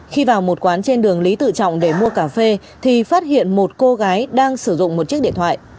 khi vào một quán trên đường lý tự trọng để mua cà phê thì phát hiện một cô gái đang sử dụng một chiếc điện thoại